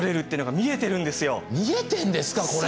見えてんですかこれ。